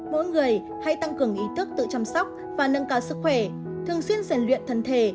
mỗi người hãy tăng cường ý thức tự chăm sóc và nâng cao sức khỏe thường xuyên rèn luyện thân thể